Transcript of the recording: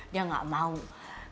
dia gak mau menyakiti kamu